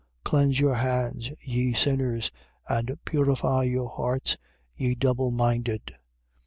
Cleanse your hands, ye sinners, and purify your hearts, ye double minded.